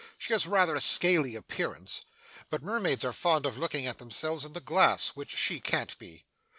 She has rather a scaly appearance. But mermaids are fond of looking at themselves in the glass, which she can't be.